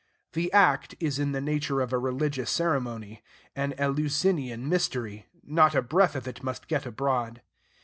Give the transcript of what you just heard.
The act is in the nature of a religious ceremony, an Eleusinian mystery; not a breath of it must get abroad.